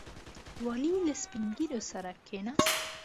والي له سپین ږیرو سره کښېناست.